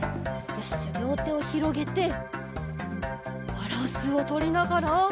よしじゃありょうてをひろげてバランスをとりながら。